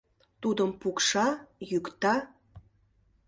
Тудым пукша, йӱкта.